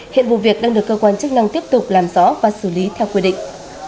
hiện vụ việc đang được cơ quan chức năng tiếp tục làm rõ và xử lý theo quy định